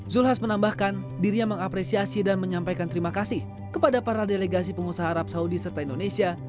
zulkifli hasan menambahkan dirinya mengapresiasi dan menyampaikan terima kasih kepada para delegasi pengusaha arab saudi serta indonesia